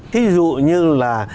ví dụ như là